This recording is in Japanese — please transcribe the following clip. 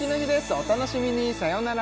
お楽しみにさよなら